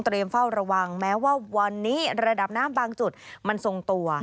เฝ้าระวังแม้ว่าวันนี้ระดับน้ำบางจุดมันทรงตัว